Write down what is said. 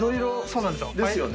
そうなんですよ。